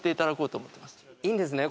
いいんですね？